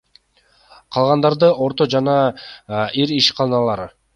Калгандары — орто жана ири ишканалар.